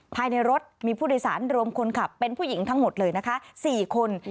ภายในรถมีผู้โดยสารรวมคนขับเป็นผู้หญิงทั้งหมดเลยนะคะ๔คน